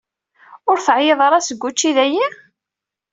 Ur teɛyiḍ ara seg učči dayi?